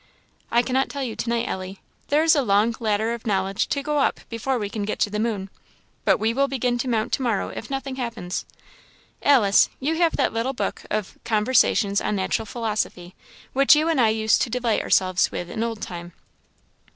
"I cannot tell you to night, Ellie. There is a long ladder of knowledge to go up before we can get to the moon, but we will begin to mount to morrow, if nothing happens. Alice, you have that little book of Conversations on Natural Philosophy, which you and I used to delight ourselves with in old time."